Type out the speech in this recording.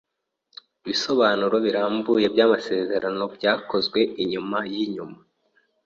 Ibisobanuro birambuye byamasezerano byakozwe inyuma yinyuma.